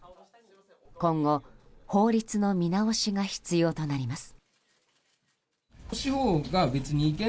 今後、法律の見直しが必要となります。